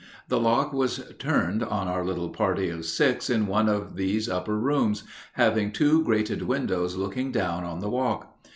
The lock was turned on our little party of six in one of these upper rooms, having two grated windows looking down on the walk.